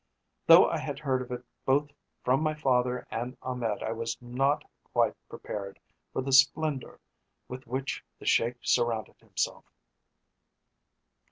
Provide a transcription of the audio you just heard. Though I had heard of it both from my father and Ahmed I was not quite prepared for the splendour with which the Sheik surrounded himself.